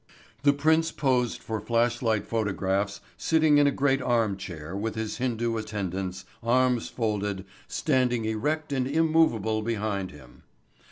The prince posed for flashlight photographs sitting in a great arm chair with his Hindu attendants, arms folded, standing erect and immovable behind him.